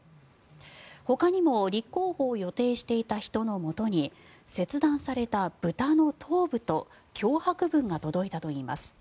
ほかにも立候補を予定していた人のもとに切断された豚の頭部と脅迫文が届いたといいます。